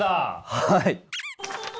はい。